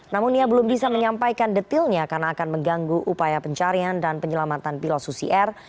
namun ia belum bisa menyampaikan detilnya karena akan mengganggu upaya pencarian dan penyelamatan pilot susi air